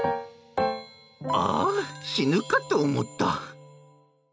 ああ、死ぬかと思った。